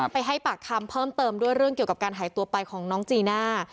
ไปให้ปากคำเพิ่มเติมด้วยเรื่องกับหายตัวไปของน้องจีณ่า